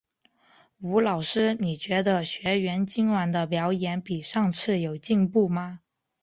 吴老师，你觉得学员今晚的表演比上次有进步吗？